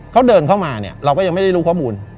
เขาเดินเข้ามาเนี่ยเราก็ยังไม่ได้รู้ข้อมูล